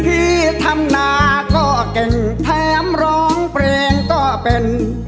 ที่ทำนาก็เก่งแถมร้องเพลงก็เป็น